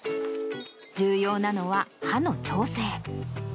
重要なのは刃の調整。